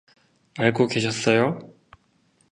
알고 계셨어요?